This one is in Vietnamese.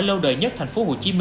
lâu đời nhất tp hcm